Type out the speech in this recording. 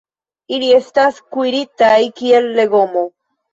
Ili estas kuiritaj kiel legomo.